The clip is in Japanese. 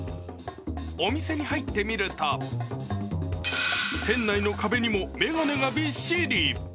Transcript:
お店に入ってみると、店内に壁にも眼鏡がびっしり！